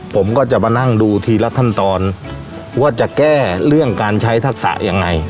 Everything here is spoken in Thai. ผมก็จะมานั่งดูทีละขั้นตอนว่าจะแก้เรื่องการใช้ทักษะยังไง